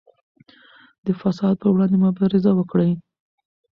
د فساد پر وړاندې مبارزه وکړئ.